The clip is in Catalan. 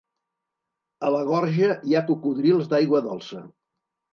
A la gorja hi ha cocodrils d'aigua dolça.